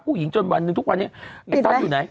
ผู้หญิงจนวันนึงทุกวันนี้